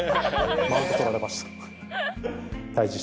マウント取られました。